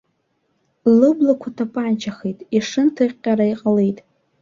Лыблақәа тапанчахеит, ишынҭыҟьҟьара иҟалеит.